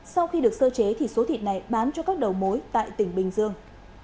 sau khi được sơ chế thì số thịt này bán cho các đầu mối tại tỉnh bình dương